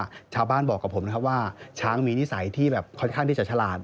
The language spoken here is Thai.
ชาวบ้านบอกกับผมนะครับว่าช้างมีนิสัยที่แบบค่อนข้างที่จะฉลาด